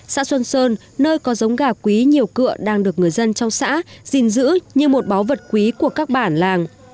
xã xuân sơn nơi có giống gà quý nhiều cựa đang được người dân trong xã gìn giữ như một bá vật quý của các bản làng